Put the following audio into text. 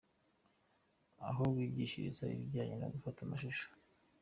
Aho bigishiriza ibijyanye no gufata amashusho.